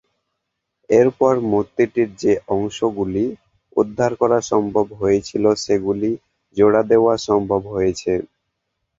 এরপর মূর্তিটির যে অংশগুলি উদ্ধার করা সম্ভব হয়েছিল, সেগুলি জোড়া দেওয়া সম্ভব হয়েছে।